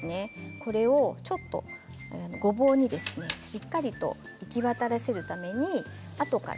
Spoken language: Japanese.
これをごぼうにしっかりと行き渡らせるためにあとから。